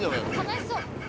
悲しそう。